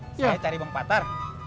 saya cari bang patar